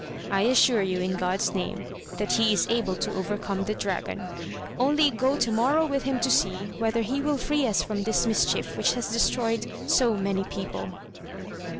I assure you, in God's name, that he is able to overcome the dragon, only go to morrow with him to see whether he will free us from this mischief which has destroyed so many people."